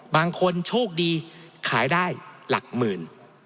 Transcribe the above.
บางคนโชคดีขายได้หลักหมื่น